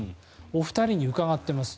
お二人に伺っています。